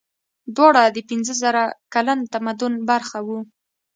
دواړه د پنځه زره کلن تمدن برخه وو.